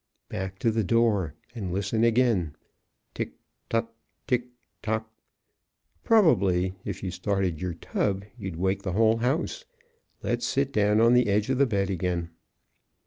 Back to the door and listen again. Tick tock tick tock. Probably, if you started your tub, you'd wake the whole house. Let's sit down on the edge of the bed again.